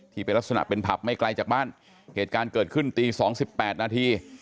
ที่เป็นลักษณะเป็นผับไม่ไกลจากบ้านเหตุการณ์เกิดขึ้นตี๒๘นาที